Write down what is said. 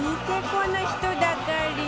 この人だかり